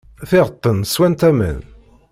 Tiɣeṭṭen swant aman.